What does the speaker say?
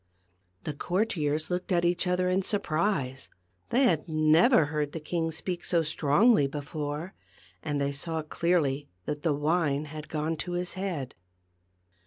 The courtiers looked at each other in surprise ; they had never heard the king speak so strongly before, and they saw clearly that the wine had gone to his head.